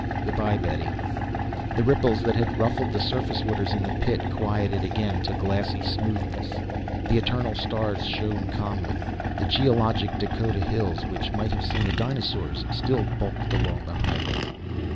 Goodbye, Betty ... The ripples that had ruffled the surface waters in the Pit, quieted again to glassy smoothness. The eternal stars shone calmly. The geologic Dakota hills, which might have seen the dinosaurs, still bulked along the highway.